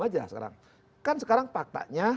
aja sekarang kan sekarang faktanya